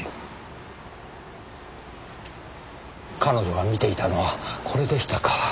彼女が見ていたのはこれでしたか。